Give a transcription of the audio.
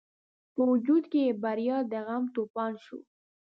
په وجود کې یې برپا د غم توپان شو.